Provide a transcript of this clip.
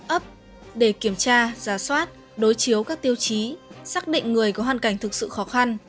ấp để kiểm tra giả soát đối chiếu các tiêu chí xác định người có hoàn cảnh thực sự khó khăn